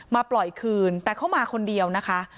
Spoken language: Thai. ปล่อยคืนแต่เขามาคนเดียวนะคะ